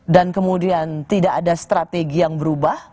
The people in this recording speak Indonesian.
dan kemudian tidak ada strategi yang berubah